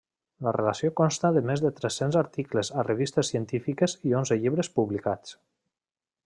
La relació consta de més de tres-cents articles a revistes científiques i onze llibres publicats.